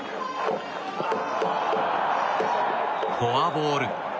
フォアボール。